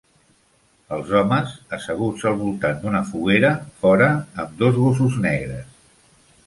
Els homes asseguts al voltant d'una foguera fora amb dos gossos negres.